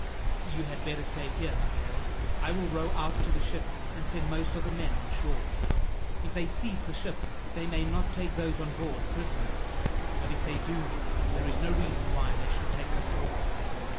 "You had better stay here, Matteo. I will row out to the ship, and send most of the men on shore. If they seize the ship, they may not take those on board prisoners; but if they do, there is no reason why they should take us all."